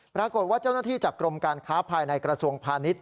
ปรากฏว่าเจ้าหน้าที่จากกรมการค้าภายในกระทรวงพาณิชย